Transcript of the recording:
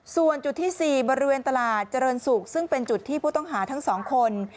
ส่วนจุดที่๔บริเวณตลาดเจริญศุกร์ซึ่งเป็นจุดที่ผู้ต้องหาทั้ง๒คน